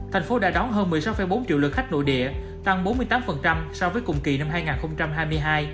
thành phố đã đón hơn một mươi sáu bốn triệu lượt khách nội địa tăng bốn mươi tám so với cùng kỳ năm hai nghìn hai mươi hai